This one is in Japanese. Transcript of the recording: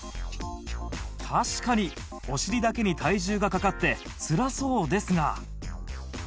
確かにお尻だけに体重がかかってつらそうですが